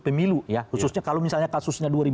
pemilu ya khususnya kalau misalnya kasusnya